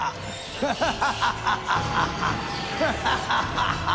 フハハハハ！